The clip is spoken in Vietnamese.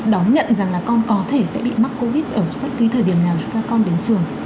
đóng nhận rằng là con có thể sẽ bị mắc covid ở các cái thời điểm nào chúng ta con đến trường